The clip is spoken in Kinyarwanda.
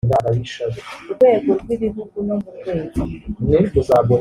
rwego rw ibihugu no mu rwego